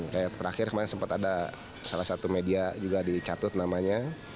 kayak terakhir kemarin sempat ada salah satu media juga dicatut namanya